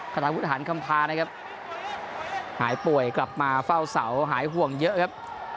ขณะพุทธฐานคำพานะครับหายป่วยกลับมาเฝ้าเสาหายห่วงเยอะครับ